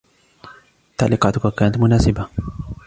تعليقاتك كانت مناسبة.